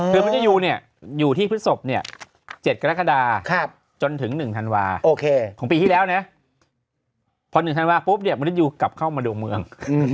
ปีที่แล้วครับจนถึง๑ธันวาคมแล้วพอ๑ธันวาคมดูกับกลับเข้าไปดร์เมลง